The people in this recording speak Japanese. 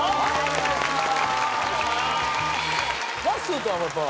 お願いします。